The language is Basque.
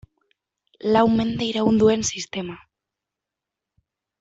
Lau mende iraun duen sistema.